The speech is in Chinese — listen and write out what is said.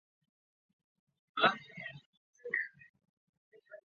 亚维力格是亚尔诺的登丹人的儿子及继承人。